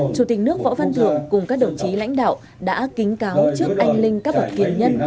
chủ tịch nước võ văn thường cùng các đồng chí lãnh đạo đã kính cáo trước anh linh các bậc tiền nhân